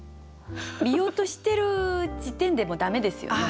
見ようとしてる時点でもう駄目ですよね。